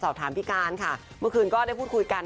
สอบถามพี่การค่ะเมื่อคืนก็ได้พูดคุยกัน